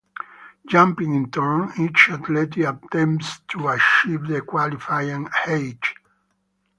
Jumping in turn, each athlete attempts to achieve the qualifying height.